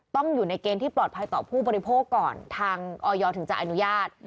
ต้องอยู่ในเกณฑ์ที่ปลอดภัยต่อผู้บริโภคก่อนทางออยถึงจะอนุญาต